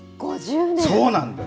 そうなんです。